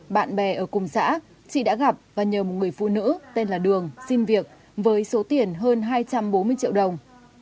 bạn bè ở cùng xã chị đã gặp và nhờ một người phụ nữ tên là đường xin việc với số tiền hơn hai trăm bốn mươi triệu đồng